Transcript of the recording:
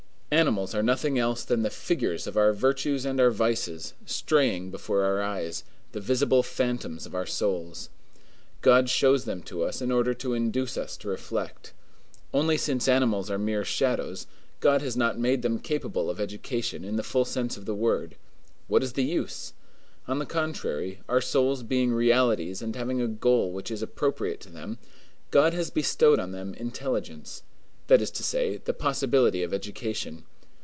Animals are nothing else than the figures of our virtues and our vices, straying before our eyes, the visible phantoms of our souls. God shows them to us in order to induce us to reflect. Only since animals are mere shadows, God has not made them capable of education in the full sense of the word; what is the use? On the contrary, our souls being realities and having a goal which is appropriate to them, God has bestowed on them intelligence; that is to say, the possibility of education.